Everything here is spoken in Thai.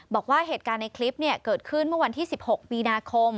บอกว่าเหตุการณ์ในคลิปเกิดขึ้นเมื่อวันที่๑๖มีนาคม